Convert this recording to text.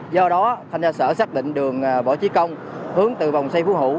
do đó thanh tra sở xác định đường võ trí công hướng từ vòng xây phú hữu